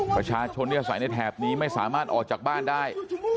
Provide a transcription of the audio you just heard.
ประชาชนที่อาศัยในแถบนี้ไม่สามารถออกจากบ้านได้